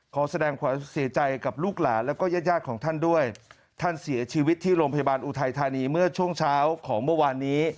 ขอแสดงความเสียใจกับลูกหลานแล้วก็ญาติญาติของท่านด้วยท่านเสียชีวิตที่โรงพยาบาลอุทัยธานีเมื่อช่วงเช้าของเมื่อวานนี้